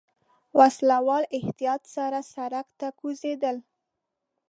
وسله والو احتياط سره سړک ته کوزېدل.